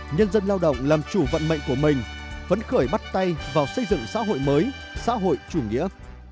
nhân dân lao động làm chủ vận mệnh của mình phấn khởi bắt tay vào xây dựng xã hội mới xã hội chủ nghĩa